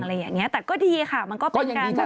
อะไรอย่างนี้แต่ก็ดีค่ะมันก็เป็นการกระตุ้น